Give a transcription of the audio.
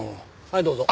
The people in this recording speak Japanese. はいどうぞ。